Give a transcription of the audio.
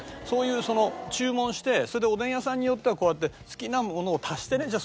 そういう注文してそれでおでん屋さんによってはこうやって好きなものを足してね。